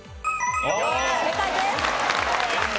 正解です。